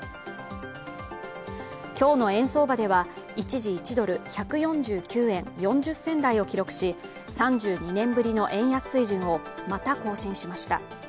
今日の円相場では一時１ドル＝１４９円４０銭台を記録し３２年ぶりの円安水準をまた更新しました。